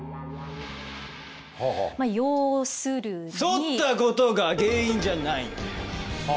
そったことが原因じゃないんだよ。